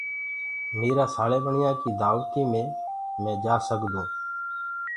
ميرآ ساݪیٻيڻيآن ڪي دآوتي مي مينٚ جآ سگھدونٚ۔